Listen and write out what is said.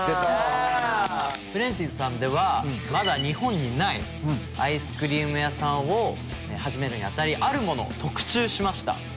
’ｓさんではまだ日本にないアイスクリーム屋さんを始めるに当たりあるものを特注しました。